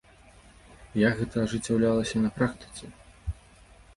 Як гэта ажыццяўлялася на практыцы?